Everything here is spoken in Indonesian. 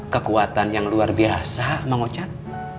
kekuatan yang luar biasa mengucap